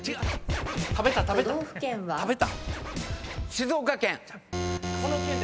静岡県。